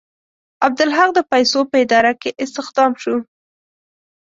عبدالحق د پولیسو په اداره کې استخدام شو.